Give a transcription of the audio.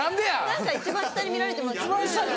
何か一番下に見られてますよね。